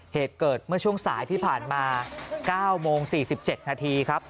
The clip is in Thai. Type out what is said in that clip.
เหตุเกิดเมื่อช่วงสายที่ผ่านมา๙โมง๔๗นาทีครับ